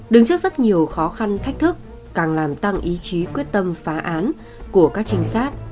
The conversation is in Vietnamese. đứng trước rất nhiều khó khăn thách thức càng làm tăng ý chí quyết tâm phá án của các trinh sát